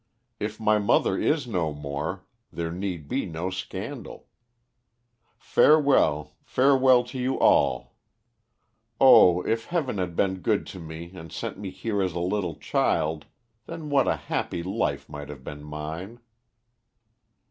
If my mother is no more there need be no scandal. Farewell, farewell to you all! Oh, if Heaven had been good to me, and sent me here as a little child, then what a happy life might have been mine!"